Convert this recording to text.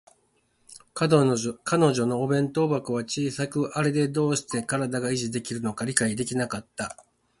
彼女のお弁当箱は小さく、あれでどうして身体が維持できるのか理解できなかった